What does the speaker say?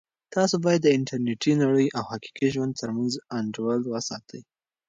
تاسو باید د انټرنیټي نړۍ او حقیقي ژوند ترمنځ انډول وساتئ.